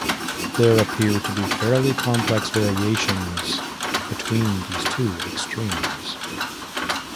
There appear to be fairly complex variations between these two extremes.